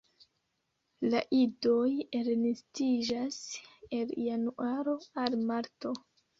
La idoj elnestiĝas el januaro al marto.